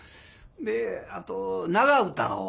であと長唄を。